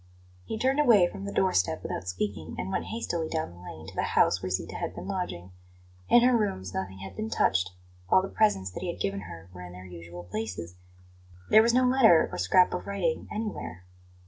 He turned away from the door step without speaking, and went hastily down the lane to the house where Zita had been lodging. In her rooms nothing had been touched; all the presents that he had given her were in their usual places; there was no letter or scrap of writing anywhere.